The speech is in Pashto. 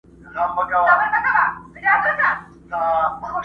پر منبر به له بلاله، آذان وي، او زه به نه یم!